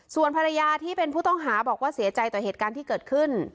ส่วนภรรยาที่เป็นผู้ต้องหาบอกว่าเสียใจต่อเหตุการณ์ที่เกิดขึ้น